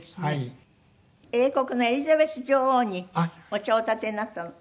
英国のエリザベス女王にお茶をおたてになったのね。